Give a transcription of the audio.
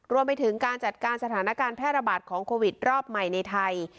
รวมไปถึงการจัดการสถานการณ์แพร่ระบาดของโควิดรอบใหม่ในไทย